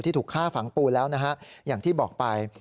ที่ถูกฆ่าฝังปูนแล้วอย่างที่บอกไป